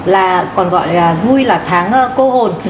là còn gọi là vui là tháng cô hồn